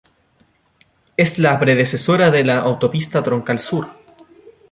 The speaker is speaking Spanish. Es la predecesora de la autopista Troncal Sur.